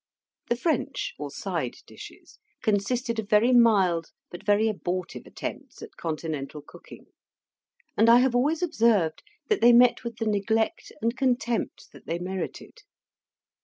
The French, or side dishes, consisted of very mild but very abortive attempts at Continental cooking, and I have always observed that they met with the neglect and contempt that they merited.